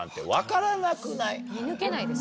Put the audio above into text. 見抜けないです。